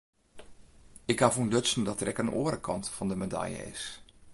Ik haw ûntdutsen dat der ek in oare kant fan de medalje is.